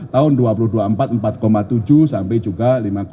tahun dua ribu dua puluh empat empat tujuh sampai juga lima